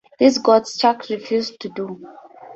This Gottschalk refused to do.